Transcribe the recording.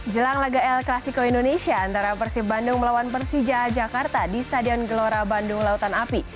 jelang laga el klasiko indonesia antara persib bandung melawan persija jakarta di stadion gelora bandung lautan api